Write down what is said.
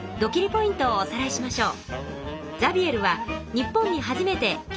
ポイントをおさらいしましょう。